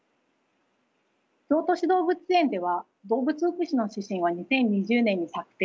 京都市動物園では動物福祉の指針を２０２０年に策定しました。